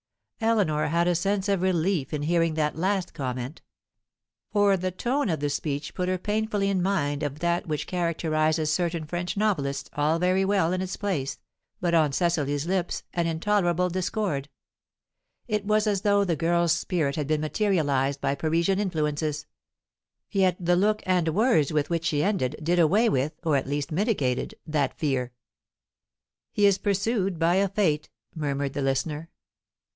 Eleanor had a sense of relief in hearing that last comment. For the tone of the speech put her painfully in mind of that which characterizes certain French novelists all very well in its place, but on Cecily's lips an intolerable discord. It was as though the girl's spirit had been materialized by Parisian influences; yet the look and words with which she ended did away with, or at least mitigated, that fear. "He is pursued by a fate," murmured the listener.